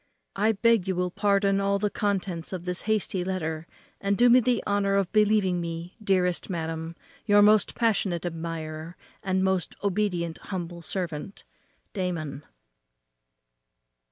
I beg you will pardon all the contents of this hasty letter, and do me the honour of believing me, Dearest madam, Your most passionate admirer, and most obedient humble servant, DAMON."